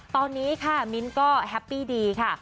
ตอนนี้ค่ะมิ้นท์ก็แฮปปี้ดีค่ะ